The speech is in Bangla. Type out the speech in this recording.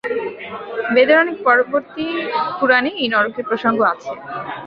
বেদের অনেক পরবর্তী পুরাণে এই নরকের প্রসঙ্গ আছে।